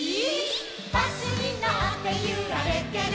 「バスにのってゆられてる」